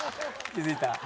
気付いた。